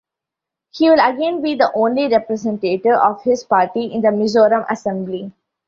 He will again be the only representative of his party in the Mizoram Assembly.